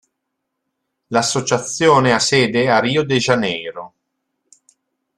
L'Associazione ha sede a Rio de Janeiro.